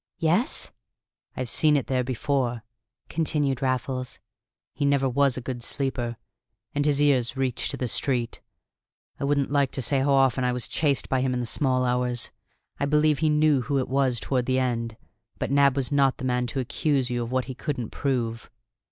"Yes?" "I've seen it there before," continued Raffles. "He never was a good sleeper, and his ears reach to the street. I wouldn't like to say how often I was chased by him in the small hours! I believe he knew who it was toward the end, but Nab was not the man to accuse you of what he couldn't prove."